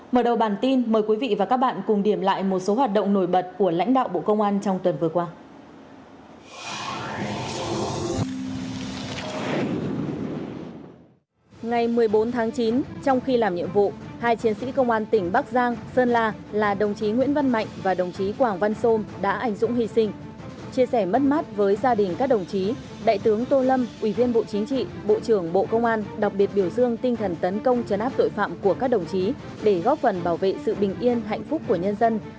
mở đầu bản tin mời quý vị và các bạn cùng điểm lại một số hoạt động nổi bật của lãnh đạo bộ công an trong tuần vừa qua